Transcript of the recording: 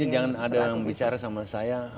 jangan ada yang bicara sama saya